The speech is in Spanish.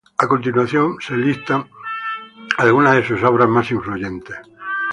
A continuación se listan algunas de sus obras más influyentes.